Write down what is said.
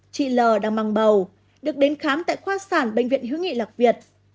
chị l đang mang bầu được đến khám tại khoa sản bệnh viện hữu nghị lạc việt